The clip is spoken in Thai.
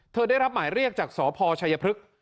ได้รับหมายเรียกจากสพชัยพฤกษ์